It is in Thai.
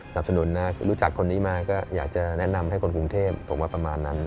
สนุนนะรู้จักคนนี้มาก็อยากจะแนะนำให้คนกรุงเทพส่งมาประมาณนั้น